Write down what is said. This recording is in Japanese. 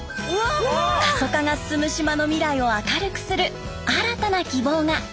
過疎化が進む島の未来を明るくする新たな希望が！